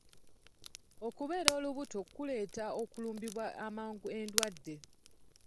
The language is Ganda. Okubeera olubuto kuleetera okulumbibwa amangu endwadde.